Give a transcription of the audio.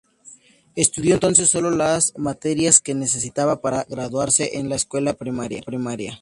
Estudió entonces sólo las materias que necesitaba para graduarse en la escuela primaria.